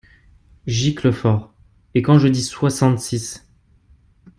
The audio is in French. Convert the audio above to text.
Giclefort. — Et quand je dis soixante-six !…